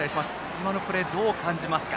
今のプレー、どう感じますか？